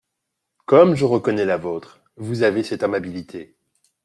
Comme je reconnais la vôtre ! Vous avez cette amabilité.